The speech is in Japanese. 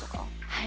はい。